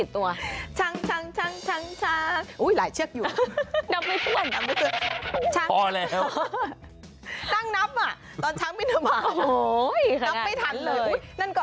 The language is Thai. เต็มเลย